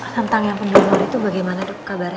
tentang yang pendoron itu bagaimana tuh kabarnya